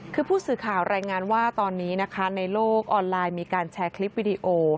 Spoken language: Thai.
คือผู้สื่อข่าวรายงานว่าตอนนี้นะคะในโลกออนไลน์มีการแชร์คลิปวิดีโอ